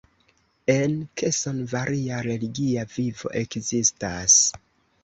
En Keson varia religia vivo ekzistas.